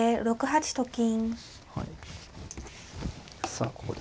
さあここで。